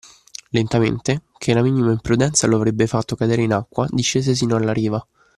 Lentamente, chè la minima imprudenza lo avrebbe fatto cadere in acqua, discese sino alla riva.